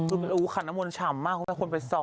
อุ้วขันน้ำนนอมลช่ำมมากคนไปซอม